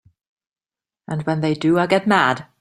And when they do I get mad.